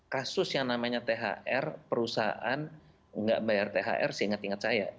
kasus yang namanya thr perusahaan nggak bayar thr seingat ingat saya